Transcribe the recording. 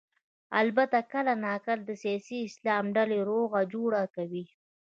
البته کله نا کله د سیاسي اسلام ډلې روغه جوړه کوي.